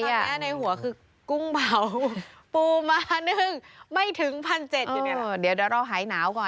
คือตอนแรกในหัวคือกุ้งเบาปูมะนึงไม่ถึงพันเจ็ดอยู่นี่แหละ